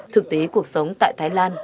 thực tế cuộc sống tại thái lan